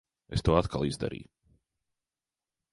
Es to atkal izdarīju.